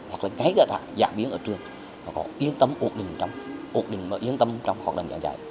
hoặc là ngay cả giảng viên ở trường có yên tâm ổn định trong hoạt động giảng dạy